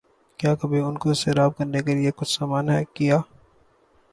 کیا کبھی ان کو سیراب کرنے کیلئے کچھ سامان کیا